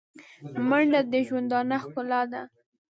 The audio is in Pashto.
منډه د ژوندانه ښکلا ده